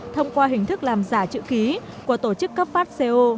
thông qua hình thức làm giả chữ ký của tổ chức cấp phát co